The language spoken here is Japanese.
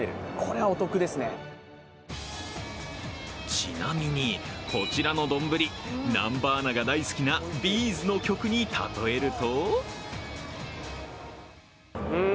ちなみにこちらの丼南波アナが大好きなＢ’ｚの曲に例えると？